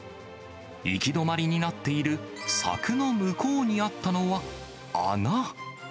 行き止まりになっている柵の向こうにあったのは、穴。